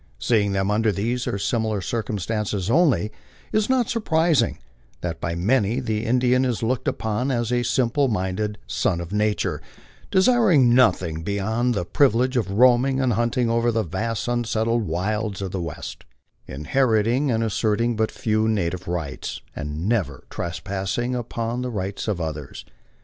Seeing them under these or similar circumstances only, it is not surprising that by many the Indian is looked upon as a simple minded "son of nature," desiring nothing beyond the privilege of roaming and hunting over the vast unsettled wilds of the West, inheriting and asserting but few native rights, and never trespassing upon the rights of others.